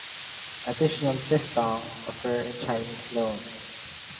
Additional diphthongs occur in Chinese loans.